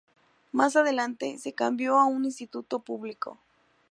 Más adelante, se cambió a un instituto público.